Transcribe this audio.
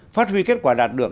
phát huy kết quả đạt được